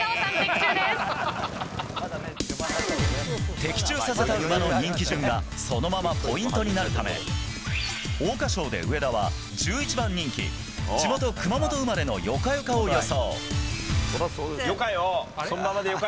的中させた馬の人気順がそのままポイントになるため桜花賞で上田は１１番人気地元・熊本生まれのヨカヨカを予想。